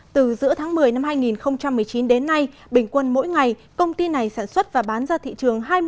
từ giữa tháng một mươi năm hai nghìn một mươi chín đến nay bình quân mỗi ngày công ty này sản xuất và bán ra thị trường